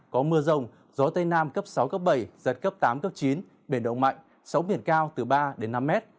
có mưa rông gió tây nam cấp sáu bảy giật cấp tám chín biển động mạnh sóng biển cao từ ba năm m